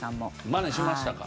マネしましたか？